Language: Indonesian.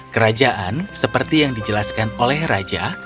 kerajaan seperti yang dijelaskan oleh raja